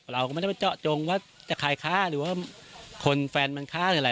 เราก็ไม่ได้ไปเจาะจงว่าจะใครฆ่าหรือว่าคนแฟนมันฆ่าหรืออะไร